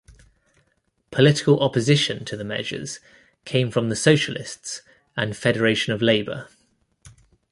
Political opposition to the measures came from the socialists and Federation of Labour.